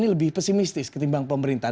lebih pesimistis ketimbang pemerintah